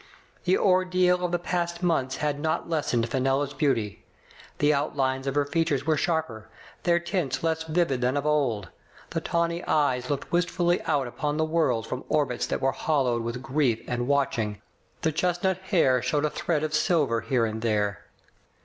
The ordeal of the past months had not lessened Fenella's beauty. The outlines of her features were sharper, their tints less vivid than of old. The tawny eyes looked wistfully out upon the world from orbits that were hollowed with grief and watching, the chestnut hair showed a thread of silver here and there.